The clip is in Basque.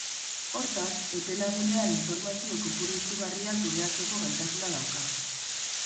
Hortaz, epe laburrean informazio kopuru izugarria kudeatzeko gaitasuna dauka.